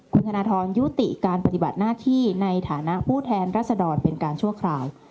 คุณธนทรยุติการปฏิบัติหน้าที่ในฐานะผู้แทนรัศดรเป็นการชั่วคราว